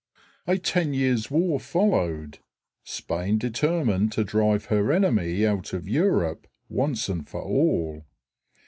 A ten years' war followed. Spain determined to drive her enemy out of Europe once and for all.